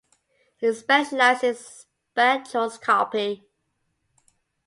He specialized in spectroscopy.